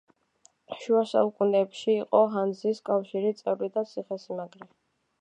შუა საუკუნეებში იყო ჰანზის კავშირი წევრი და ციხესიმაგრე.